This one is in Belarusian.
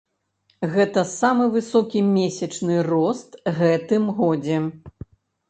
Гэта самы высокі месячны рост гэтым годзе.